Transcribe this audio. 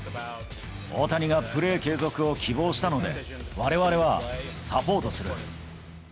大谷がプレー継続を希望したので、われわれはサポートする。